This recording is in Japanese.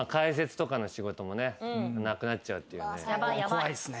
怖いっすね。